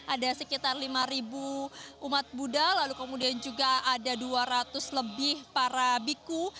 ada sekitar lima umat buddha lalu kemudian juga ada dua ratus lebih para biku